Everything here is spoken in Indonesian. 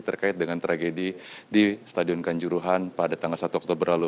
terkait dengan tragedi di stadion kanjuruhan pada tanggal satu oktober lalu